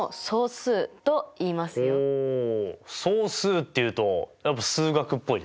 総数っていうと数学っぽいですね。